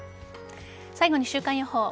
最後に週間予報。